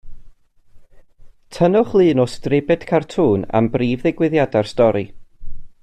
Tynnwch lun o stribed cartŵn am brif ddigwyddiadau'r stori